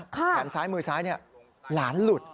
ข้างซ้ายมือซ้ายเนี่ยหลานหลุด